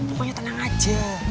pokoknya tenang aja